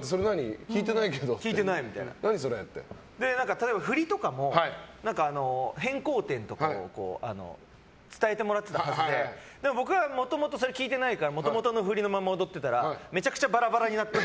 例えば振りとかも変更点とかを伝えてもらってたはずで俺はそれを聞いてないからもともとの振りのまま踊ってたらめちゃくちゃバラバラになってて。